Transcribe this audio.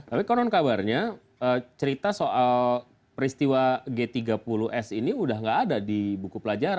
tapi konon kabarnya cerita soal peristiwa g tiga puluh s ini udah gak ada di buku pelajaran